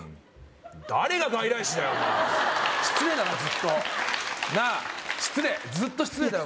誰が外来種だよお前失礼だなずっとなあ失礼ずっと失礼だよ